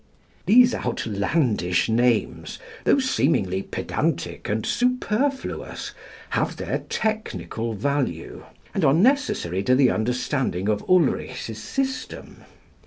These outlandish names, though seemingly pedantic and superfluous, have their technical value, and are necessary to the understanding of Ulrichs' system.